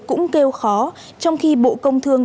cũng kêu khó trong khi bộ công thương